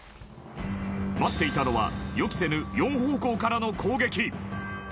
待っていたのは予期せぬ四方向からの攻撃